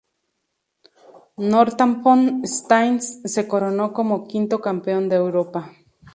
Northampton Saints se coronó como quinto Campeón de Europa.